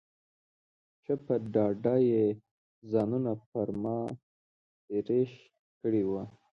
ښه په ډاډه یې ځانونه پر ما سرېښ کړي وو.